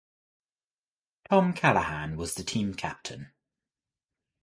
Tom Callahan was the team captain.